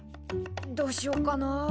どうしよっかな。